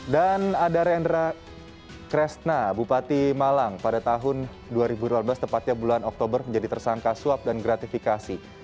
dan ada rendra kresna bupati malang pada tahun dua ribu delapan belas tepatnya bulan oktober menjadi tersangka suap dan gratifikasi